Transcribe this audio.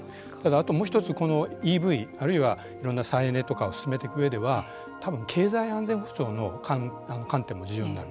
あともう一つこのＥＶあるいは、いろんな再エネとかを進めていくうえでは経済安全保障の観点も重要になる。